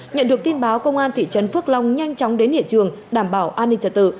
nhận được tin báo công an thị trấn phước long nhanh chóng đến hiện trường đảm bảo an ninh trật tự